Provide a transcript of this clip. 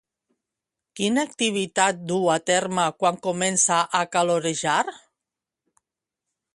Quina activitat du a terme quan comença a calorejar?